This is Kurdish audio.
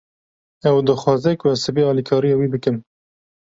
Ew dixwaze ku ez sibê alîkariya wî bikim.